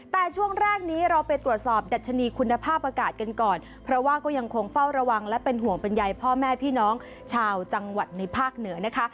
แต่ช่วงแรกนี้เราไปตรวจสอบดัชนีคุณภาพอากาศกันก่อนเพราะว่าก็ยังคงเฝ้าระวังและเป็นห่วงเป็นใยพ่อแม่พี่น้องชาวจังหวัดในภาคเหนือนะคะ